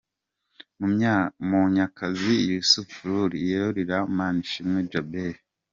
Munyakazi Yussuf Rule yurira Manishimwe Djabel .